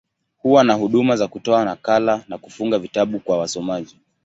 Huwa na huduma za kutoa nakala, na kufunga vitabu kwa wasomaji.